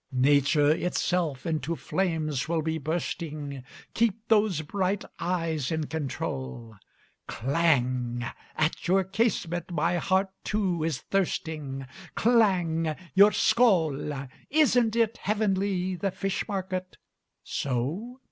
Nature itself into flames will be bursting; Keep those bright eyes in control! Klang! at your casement my heart, too, is thirsting. Klang! Your Skål! Isn't it heavenly the fish market? So?